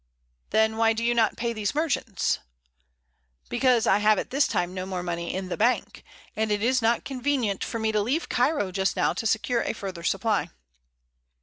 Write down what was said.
"Then why do you not pay these merchants?" "Because I have at this time no more money in the bank, and it is not convenient for me to leave Cairo just now to secure a further supply."